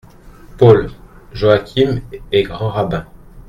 PAUL : Joachim est grand rabbin.